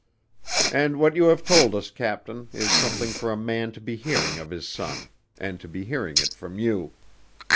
And what you have told us, captain, is something for a man to be hearing of his son and to be hearing it from you.